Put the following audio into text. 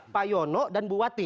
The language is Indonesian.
pak yono dan buati